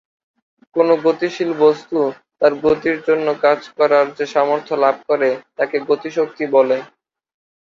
কোন গতিশীল বস্তু তার গতির জন্য কাজ করার যে সামর্থ্য লাভ করে, তাকে গতি শক্তি বলে।